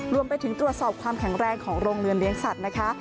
รวมไปถึงตรวจสอบความแข็งแรงของโรงเรือนเลี้ยงสัตว์นะคะ